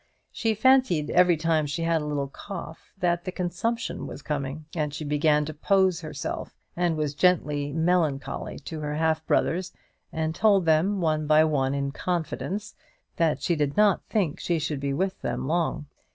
She fancied every time she had a little cough that the consumption was coming, and she began to pose herself, and was gently melancholy to her half brothers, and told them one by one, in confidence, that she did not think she should be with them long.